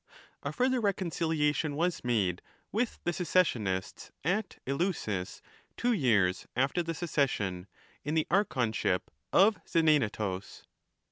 A final reconciliation was made with the secessionists at 4 Eleusis two years after the secession, in the archonship of Xenaenetus.